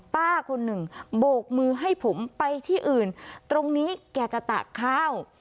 ป้าคนหนึ่งโบกมือให้ผมไปที่อื่นตรงนี้แกจะตากข้าว